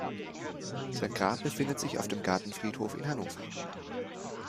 Sein Grab befindet sich auf dem Gartenfriedhof in Hannover.